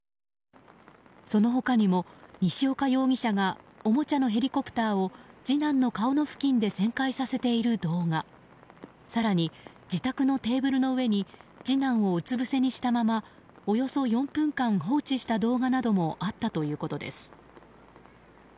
その他にも、西岡容疑者がおもちゃのヘリコプターを次男の顔の付近で旋回させている動画更に自宅のテーブルの上に次男をうつぶせにしたままおよそ４分間、放置した動画などもあったということです。